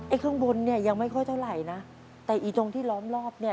ข้างบนเนี่ยยังไม่ค่อยเท่าไหร่นะแต่อีตรงที่ล้อมรอบเนี่ย